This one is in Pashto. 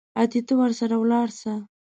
اتې ته ورسره ولاړ سه.